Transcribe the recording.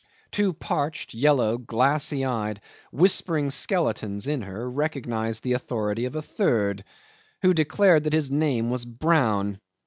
Two parched, yellow, glassy eyed, whispering skeletons in her recognised the authority of a third, who declared that his name was Brown.